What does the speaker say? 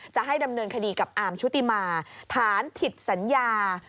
จะให้ดำเนินคดีกับอาร์มชุติมาฐานผิดสัญญา